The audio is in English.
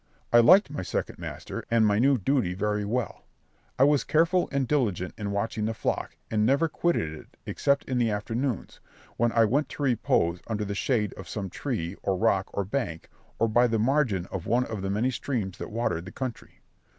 I liked my second master, and my new duty very well; I was careful and diligent in watching the flock, and never quitted it except in the afternoons, when I went to repose under the shade of some tree, or rock, or bank, or by the margin of one of the many streams that watered the country.